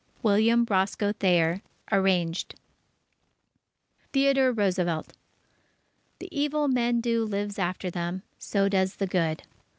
William Roscoe Thayer (Arranged) THEODORE ROOSEVELT The evil men do lives after them; so does the good.